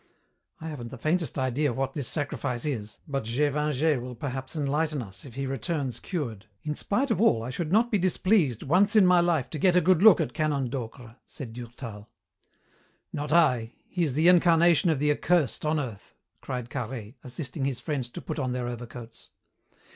I haven't the faintest idea what this sacrifice is, but Gévingey will perhaps enlighten us if he returns cured." "In spite of all, I should not be displeased, once in my life to get a good look at Canon Docre," said Durtal. "Not I! He is the incarnation of the Accursed on earth!" cried Carhaix, assisting his friends to put on their overcoats.